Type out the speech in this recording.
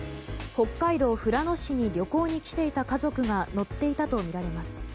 北海道富良野市に旅行に来ていた家族が乗っていたとみられます。